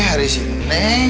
eh hari sineng